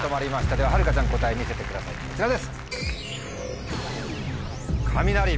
でははるかちゃん答え見せてくださいこちらです。